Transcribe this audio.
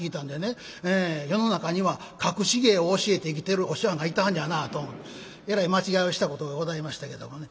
世の中には隠し芸を教えて生きてるお師匠はんがいてはんねやなと思ってえらい間違いをしたことがございましたけどもね。